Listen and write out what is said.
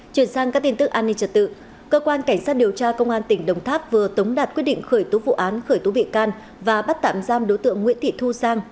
chuyển sang các tin tức an ninh trật tự cơ quan cảnh sát điều tra công an tỉnh đồng tháp vừa tống đạt quyết định khởi tố vụ án khởi tố bị can và bắt tạm giam đối tượng nguyễn thị thu giang